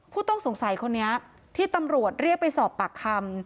ผู้ต้องสงสัยคนนี้ที่ตำรวจเรียกไปสอบปากคำ